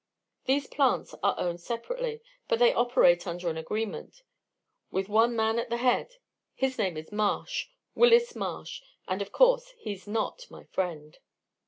These plants are owned separately, but they operate under an agreement, with one man at the head. His name is Marsh Willis Marsh, and, of course, he's not my friend."